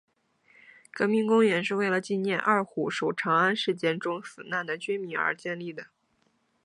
革命公园是为了纪念二虎守长安事件中死难的军民而建立的。